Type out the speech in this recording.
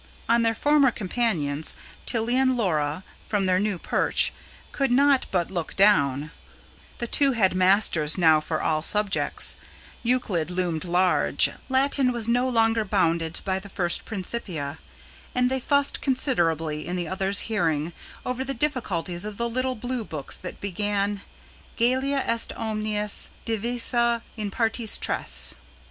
On their former companions, Tilly and Laura, from their new perch, could not but look down: the two had masters now for all subjects; Euclid loomed large; Latin was no longer bounded by the First Principia; and they fussed considerably, in the others' hearing, over the difficulties of the little blue books that began: GALLIA EST OMNIS DIVISA IN PARTES TRES.